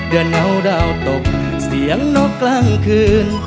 เดือนเหงาดาวตกเสียงนกกลางคืน